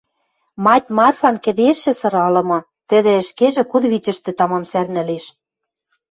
Мать Марфан кӹдежшӹ сыралымы, тӹдӹ ӹшкежӹ кудывичӹштӹ тамам сӓрнӹлеш.